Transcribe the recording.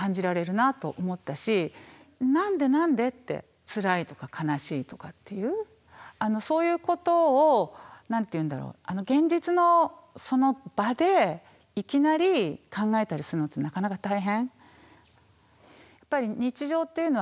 「なんでなんで？」ってつらいとか悲しいとかっていうそういうことを何て言うんだろう現実のその場でいきなり考えたりするのってなかなか大変。